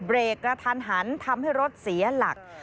เบรกกระทันหันทำให้รถเสียหลัก